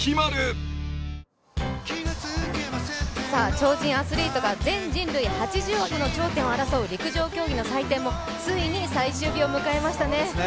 超人アスリートが全人類８０億の頂点を争う陸上競技の祭典もついに最終日を迎えましたね。